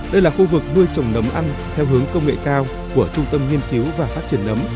đây là khu vực nuôi trồng nấm ăn theo hướng công nghệ cao của trung tâm nghiên cứu và phát triển nấm